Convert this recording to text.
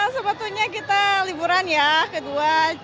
sebetulnya kita liburan ya kedua